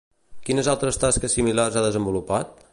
Quines altres tasques similars ha desenvolupat?